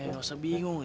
nggak usah bingung